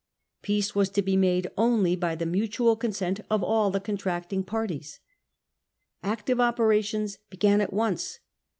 Peace was to be made only by the mutual consent of all the contract ing powers. Active operations began at once.